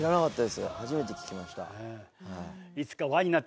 初めて聞きました。